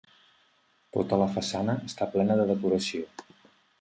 Tota la façana està plena de decoració.